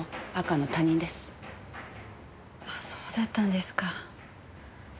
そうだったんですか。